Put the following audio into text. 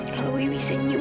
kalau wuih senyum